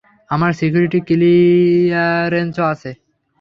আমার সিকিউরিটি ক্লিয়ারেন্সও আছে?